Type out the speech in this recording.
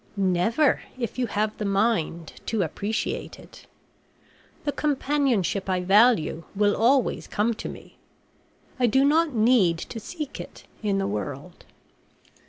"Never, if you have the mind to appreciate it. The companionship I value will always come to me. I do not need to seek it in the world."